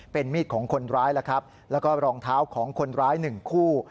เป็นมีดของคนร้ายแล้วก็รองเท้าของคนร้าย๑คู่